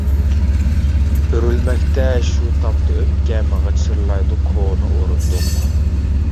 ئۆرۈلمەكتە شۇ تاپتا ئۆپكەم، غىچىرلايدۇ كونا ئورۇندۇق.